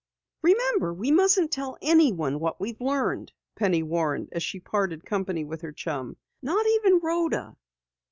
"Remember, we mustn't tell anyone what we have learned," Penny warned as she parted company with her chum. "Not even Rhoda."